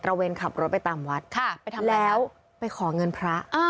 ตระเวนขับรถไปตามวัดแล้วไปขอเงินพระ